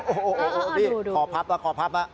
โอ้โหพี่ขอพับล่ะขอพับล่ะ